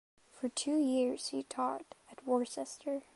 For two years she taught at Worcester.